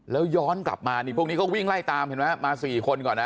แล้วย้อนกลับมานี่พวกนี้ก็วิ่งไล่ตามเห็นไหมมา๔คนก่อนนะ